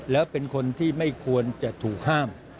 แล้วเป็นคนที่ไม่ควรจะถูกห้าม